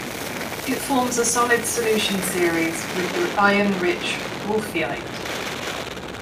It forms a solid solution series with the iron rich wolfeite.